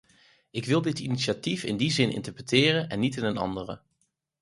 Ik wil dit initiatief in die zin interpreteren en niet in een andere.